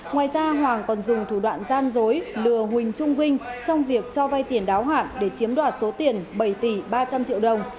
ngoài ra hoàng còn dùng thủ đoạn gian dối lừa huỳnh trung vinh trong việc cho vay tiền đáo hạn để chiếm đoạt số tiền bảy tỷ ba trăm linh triệu đồng